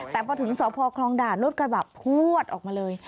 แต่พอถึงสพคลองด่านรถกระบะพวดออกมาเลย